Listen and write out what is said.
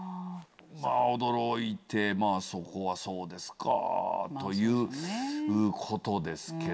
驚いてそこは「そうですか」ということですけどね。